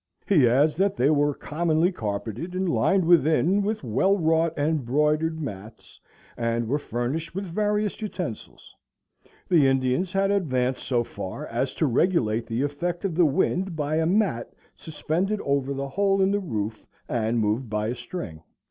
He adds, that they were commonly carpeted and lined within with well wrought embroidered mats, and were furnished with various utensils. The Indians had advanced so far as to regulate the effect of the wind by a mat suspended over the hole in the roof and moved by a string.